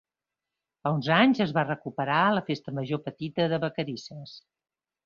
Fa uns anys es va recuperar la Festa Major petita de Vacarisses.